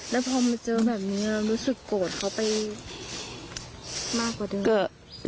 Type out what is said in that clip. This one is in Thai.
แล้วพอมาเจอแบบนี้รู้สึกโกรธเขาไปมากกว่าเดิม